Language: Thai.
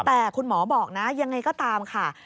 แต่คุณหมอบอกนะยังไงก็ตามค่ะ